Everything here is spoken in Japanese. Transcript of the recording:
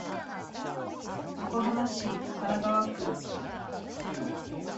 横浜市神奈川区